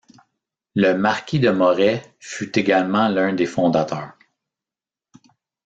Le Marquis de Morès fut également l'un des fondateurs.